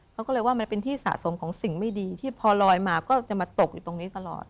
เขาก็เลยว่ามันเป็นที่สะสมของสิ่งไม่ดีที่พอลอยมาก็จะมาตกอยู่ตรงนี้ตลอด